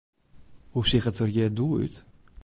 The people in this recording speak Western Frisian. Hoe seach it der hjir doe út?